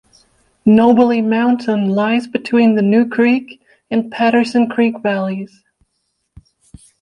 Knobly Mountain lies between the New Creek and Patterson Creek valleys.